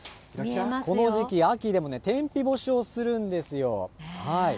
この時期秋でも天日干しをするんですよ。